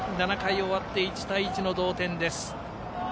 ７回を終わって１対１の同点です。